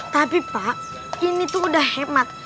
tapi pak ini tuh udah hemat